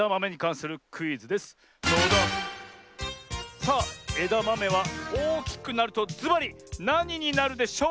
さあえだまめはおおきくなるとずばりなにになるでしょう？